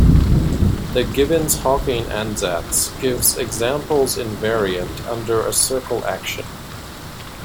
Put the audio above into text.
The Gibbons-Hawking ansatz gives examples invariant under a circle action.